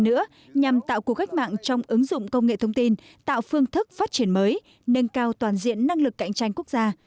nữa nhằm tạo cuộc cách mạng trong ứng dụng công nghệ thông tin tạo phương thức phát triển mới nâng cao toàn diện năng lực cạnh tranh quốc gia